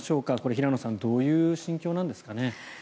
これ、平野さんどういう心境なんでしょうか？